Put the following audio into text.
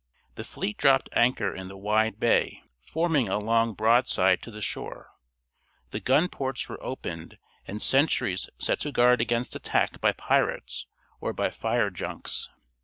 The fleet dropped anchor in the wide bay, forming a line broadside to the shore. The gun ports were opened, and sentries set to guard against attack by pirates, or by fire junks.